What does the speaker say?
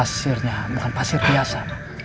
pasirnya bukan pasir biasa